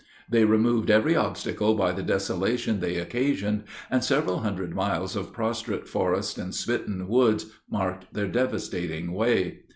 They removed every obstacle by the desolation they occasioned, and several hundred miles of prostrate forests and smitten woods marked their devastating way.